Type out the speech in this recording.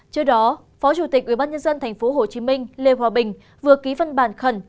trước đó phó chủ tịch ubnd tp hcm lê hòa bình vừa ký văn bản khẩn